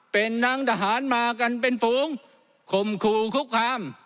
เป็นน้ำรสหารมากันเป็นฝูงคุมครูคุกคาม